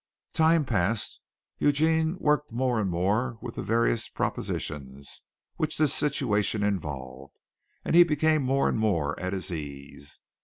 Time passed. As Eugene worked more and more with the various propositions which this situation involved, he became more and more at his ease.